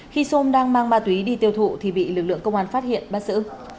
khi sôm đang mang ma túy đi tiêu thụ thì bị lực lượng công an phát hiện bắt giữ